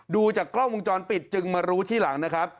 ดูจากกล้องวงจรปิดจึงมารู้ที่หลังนะครับ